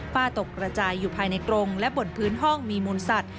ตกกระจายอยู่ภายในกรงและบนพื้นห้องมีมูลสัตว